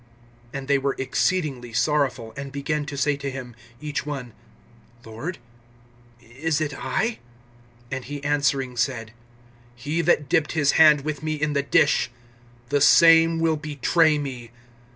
(22)And they were exceedingly sorrowful, and began to say to him, each one: Lord, is it I? (23)And he answering said: He that dipped his hand with me in the dish, the same will betray me.